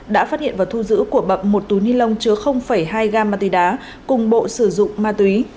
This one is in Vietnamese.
đã phát hiện và thu giữ của bậm một túi ni lông chứa hai gam ma túy đá cùng bộ sử dụng ma túy